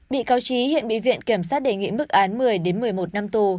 bị cao trí hiện bị viện kiểm sát đề nghị mức án một mươi một mươi một năm tù